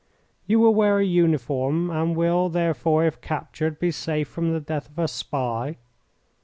You will wear a uniform, and will, therefore, if captured, be safe from the death of a spy.